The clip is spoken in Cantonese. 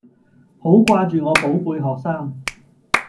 好掛住我寶貝學生